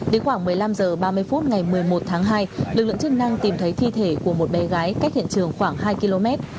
đến khoảng một mươi năm h ba mươi phút ngày một mươi một tháng hai lực lượng chức năng tìm thấy thi thể của một bé gái cách hiện trường khoảng hai km